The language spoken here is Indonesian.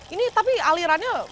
ini tapi alirannya